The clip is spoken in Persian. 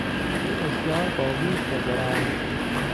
او بسیار باهوش و زرنگ بود.